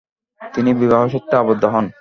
তিনি বিবাহ সূত্রে আবদ্ধ হন।